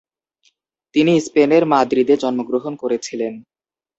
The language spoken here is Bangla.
তিনি স্পেনের মাদ্রিদে জন্মগ্রহণ করেছিলেন।